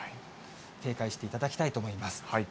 警戒していただきたいと思います。